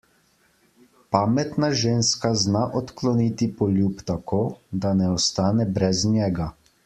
Pametna ženska zna odkloniti poljub tako, da ne ostane brez njega.